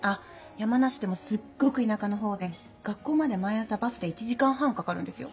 山梨でもすっごく田舎の方で学校まで毎朝バスで１時間半かかるんですよ。